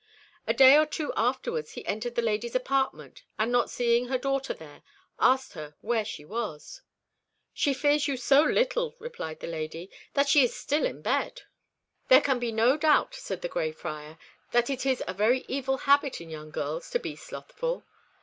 A day or two afterwards, he entered the lady's apartment, and, not seeing her daughter there, asked her where she was. "She fears you so little," replied the lady, "that she is still in bed." "There can be no doubt," said the Grey Friar, "that it is a very evil habit in young girls to be slothful.